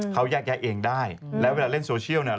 เขาแยกเองได้แล้วเวลาเล่นโซเชียล